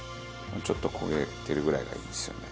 ちょっと焦げてるぐらいがいいですよね。